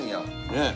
ねえ。